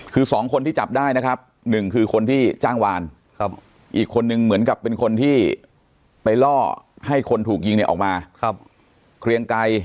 คือสองคนที่จับได้นะครับหนึ่งคือคนที่จ้างวานอีกคนนึงเหมือนกับเป็นคนที่ไปล่อให้คนถูกยิงเนี่ยออกมาเครียงไกร